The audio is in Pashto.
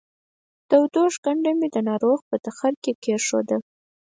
تودوښ کنډه مې د ناروغ په تخرګ کې کېښوده